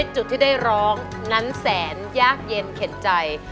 จุดที่ได้ร้องนั้นแสนยากเย็นเข็นใจ